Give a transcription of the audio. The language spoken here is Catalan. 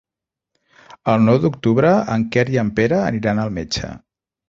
El nou d'octubre en Quer i en Pere aniran al metge.